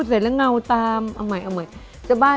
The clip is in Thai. มีตัวช่วยด้วยหรอคะ